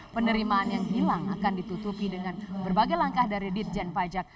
penerimaan yang hilang akan ditutupi dengan berbagai langkah dari ditjen pajak